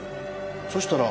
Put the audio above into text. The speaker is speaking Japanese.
そしたら。